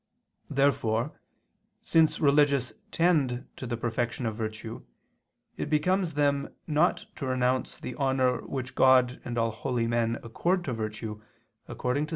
Therefore since religious tend to the perfection of virtue it becomes them not to renounce the honor which God and all holy men accord to virtue, according to Ps.